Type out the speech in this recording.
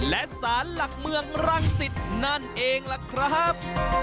และสารหลักเมืองรังสิตนั่นเองล่ะครับ